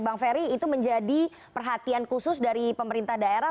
bang ferry itu menjadi perhatian khusus dari pemerintah daerah